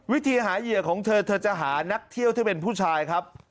วิธีหาเหยื่อของเธอเธอจะหานักเที่ยวที่เป็นผู้ชายครับ